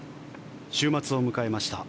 週末を迎えました。